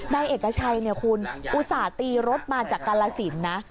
นายเอกชัยคุณอุตส่าห์ตีรถมาจากกรรศิลป์นะ